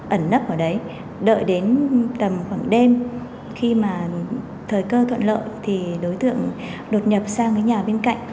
ẩn nấp ở đấy đợi đến tầm khoảng đêm khi mà thời cơ thuận lợi thì đối tượng đột nhập sang cái nhà bên cạnh